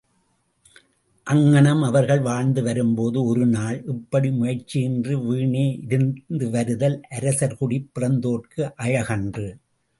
அங்ஙனம் அவர்கள் வாழ்ந்து வரும்போது ஒருநாள், இப்படி முயற்சியின்றி வீணே இருந்துவருதல் அரசர்குடிப் பிறந்தோர்க்கு அழகன்று.